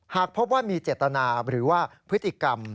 หากพบว่ามีเจตนาหรือว่าพฤติกรรม